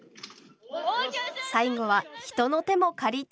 最後は人の手も借りて。